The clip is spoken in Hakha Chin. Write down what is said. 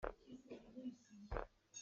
Siau in nga an siau.